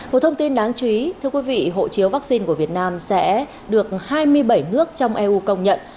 một thông tin đáng chú ý thưa quý vị hộ chiếu vaccine của việt nam sẽ được hai mươi bảy nước trong eu công nhận